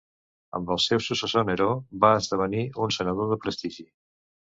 Amb el seu successor Neró, va esdevenir un senador de prestigi.